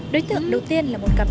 đối tượng đầu tiên là một cặp